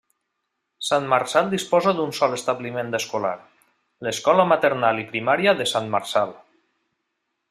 Sant Marçal disposa d'un sol establiment escolar: l'Escola Maternal i Primària de Sant Marçal.